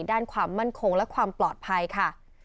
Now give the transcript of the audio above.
ด้านความมั่นคงและความปลอดภัยค่ะ